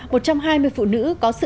một trong hai người phụ nữ có sức khỏe